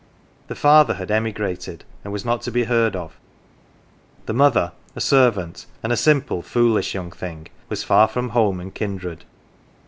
The father had emigrated and was not to be heard of; the mother a servant, and a simple foolish young thing, was far from home and kindred.